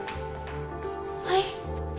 はい？